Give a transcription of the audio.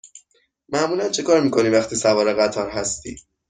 معمولا چکار می کنی وقتی سوار قطار هستی؟